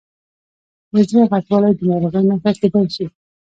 د زړه غټوالی د ناروغۍ نښه کېدای شي.